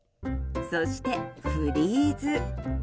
そしてフリーズ。